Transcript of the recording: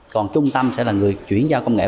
còn trung tâm sẽ là người chuyển giao công nghệ